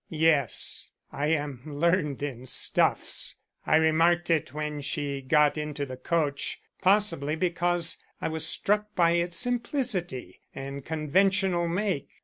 "Yes. I am learned in stuffs. I remarked it when she got into the coach, possibly because I was struck by its simplicity and conventional make.